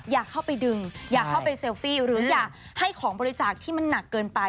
อย่าเข้าไปดึงอย่าเข้าไปเซลฟี่หรืออย่าให้ของบริจาคที่มันหนักเกินไป